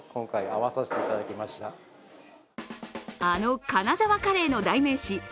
あの金沢カレーの代名詞